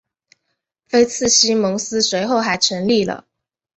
菲茨西蒙斯随后还成立了。